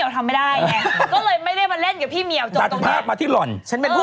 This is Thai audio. ทั้งหมดทั้งพรุ่งคือพี่เหมียวทำไม่ได้